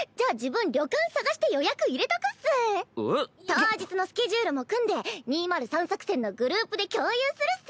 当日のスケジュールも組んで２０３作戦のグループで共有するっス。